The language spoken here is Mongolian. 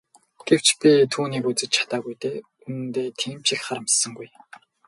Гэвч би түүнийг үзэж чадаагүй дээ үнэндээ тийм ч их харамссангүй.